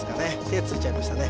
手ついちゃいましたね